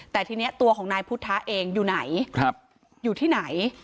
แต่ทีนี้ตัวของนายพุทธะเองอยู่ไหนอยู่ที่ไหน